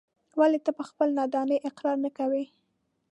ولې ته په خپلې نادانۍ اقرار نه کوې.